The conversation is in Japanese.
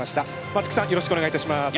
松木さんよろしくお願いいたします。